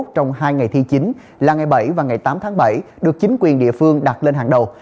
trong hai ngày thi chính là ngày bảy và ngày tám tháng bảy được chính quyền địa phương đặt lên hàng đầu